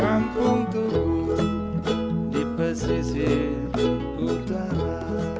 kampung turun di pesisir utara